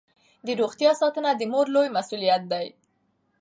د روغتیا ساتنه د مور لویه مسوولیت ده.